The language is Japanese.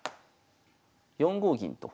４五銀と。